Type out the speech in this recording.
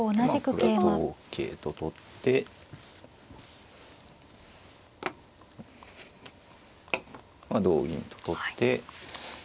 これ同桂と取って同銀と取って。